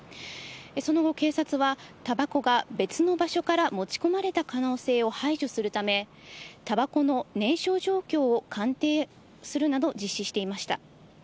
その後、警察は、たばこが別の場所から持ち込まれた可能性を排除するため、たばこの燃焼状況を鑑定するなど、実施していました。